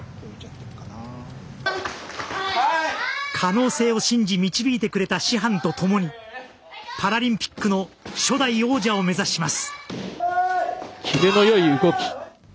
可能性を信じ導いてくれた師範とともにパラリンピックの初代王者を目指します。